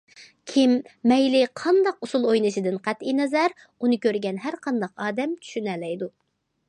كىم مەيلى قانداق ئۇسسۇل ئوينىشىدىن قەتئىينەزەر، ئۇنى كۆرگەن ھەر قانداق ئادەم چۈشىنەلەيدۇ.